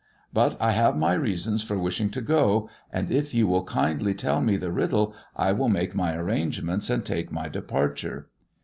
But I have my reasons for wishing to go, and if you will kindly tell me the riddle I will make my arrangements and take my departure."